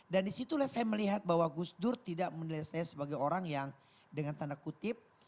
dan disitulah saya melihat bahwa gus dur tidak melihat saya sebagai orang yang dengan tanda kutip